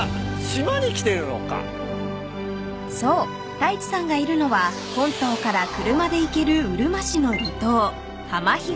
太一さんがいるのは本島から車で行けるうるま市の離島］